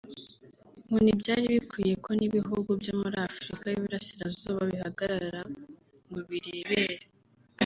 ngo ntibyari bikwiye ko n’ibihugu byo muri Afurika y’iburasirazuba bihagarara ngo birebere